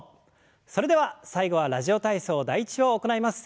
それでは最後は「ラジオ体操第１」を行います。